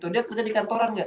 dia kerja di kantoran nggak